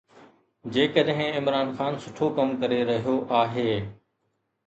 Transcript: جيڪڏهن عمران خان سٺو ڪم ڪري رهيو آهي.